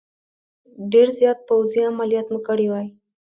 ډېر زیات پوځي عملیات مو کړي وای.